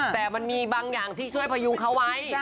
แต่มันมีบางอย่างที่ช่วยพยุงเขาไว้